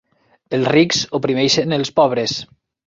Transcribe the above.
Els rics oprimeixen els pobres.